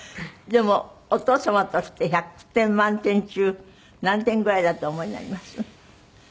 でもお父様として１００点満点中何点ぐらいだとお思いになります？